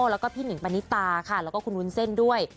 แล้วก็พี่หนิงปณิตาค่ะแล้วก็คุณวุ้นเส้นด้วย